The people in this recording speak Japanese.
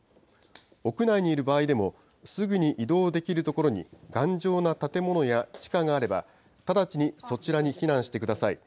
屋内にいる場合でも、すぐに移動できる所に頑丈な建物や地下があれば、直ちにそちらに避難してください。